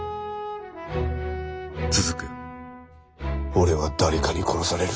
俺は誰かに殺される。